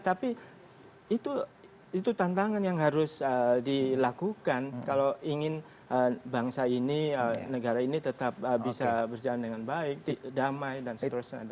tapi itu tantangan yang harus dilakukan kalau ingin bangsa ini negara ini tetap bisa berjalan dengan baik damai dan seterusnya